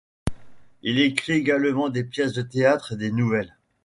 Il écrit également des pièces de théâtre et des nouvelles.